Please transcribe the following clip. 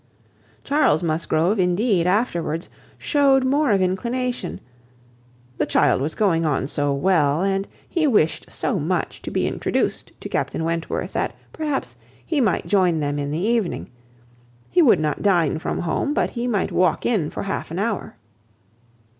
Charles Musgrove, indeed, afterwards, shewed more of inclination; "the child was going on so well, and he wished so much to be introduced to Captain Wentworth, that, perhaps, he might join them in the evening; he would not dine from home, but he might walk in for half an hour."